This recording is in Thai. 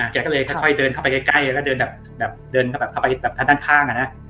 แกก็เลยค่อยเดินเข้าไปใกล้แล้วเดินแบบเดินเข้าไปแบบด้านข้างอ่ะนะ